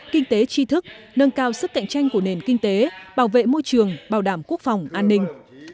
kinh tế tri thức nâng cao sức cạnh tranh của nền kinh tế bảo vệ môi trường bảo đảm quốc phòng an ninh